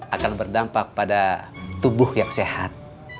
akan berdampak pada tubuh yang sehat